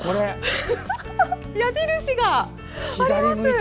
矢印があります！